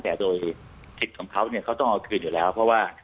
แต่โดยสิทธิ์ของเขาเนี่ยเขาต้องเอาคืนอยู่แล้วเพราะว่า